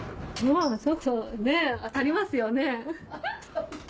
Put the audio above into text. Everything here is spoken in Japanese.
ちょっとねぇ当たりますよね。